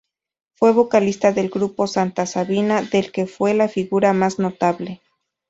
Fue vocalista del grupo Santa Sabina, del que fue la figura más notable.